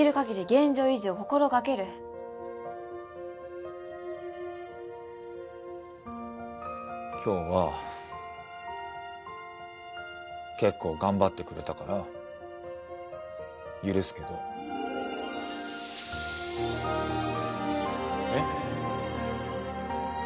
現状維持を心がける今日は結構頑張ってくれたから許すけどえっ？